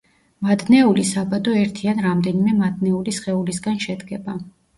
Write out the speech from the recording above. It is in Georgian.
მადნეული საბადო ერთი ან რამდენიმე მადნეული სხეულისგან შედგება.